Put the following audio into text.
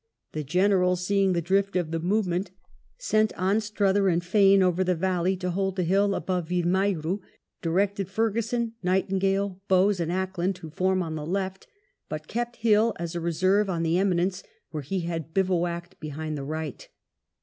The General, seeing the drift of the movement, sent Anstruther and Fane over the valley to hold the hill above Vimiero, directed Ferguson, Nightingale, Bowes, and Acland, to form on the left, but kept Hill as a reserve on the eminence where he had bivouacked, behind the right.